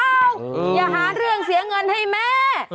อย่าหาเรื่องเสียเงินให้แม่